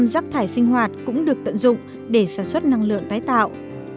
chín mươi chín rắc thải sinh hoạt cũng được tận dụng để sản xuất năng lượng tái tạo